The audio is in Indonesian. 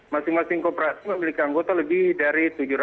masing masing kooperasi memiliki anggota lebih dari tujuh ratus